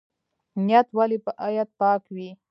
نیت ولې باید پاک وي؟